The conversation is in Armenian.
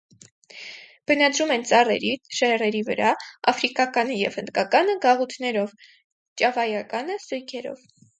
Բնադրում են ծառերի, ժայռերի վրա, աֆրիկականը և հնդկականը՝ գաղութներով, ճավայականը՝ զույգերով։